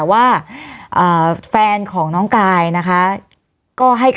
วันนี้แม่ช่วยเงินมากกว่า